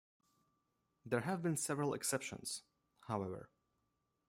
There have been several exceptions, however.